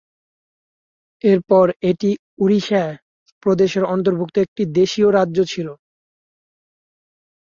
এরপর এটি উড়িষ্যা প্রদেশের অন্তর্ভুক্ত একটি দেশীয় রাজ্য ছিল।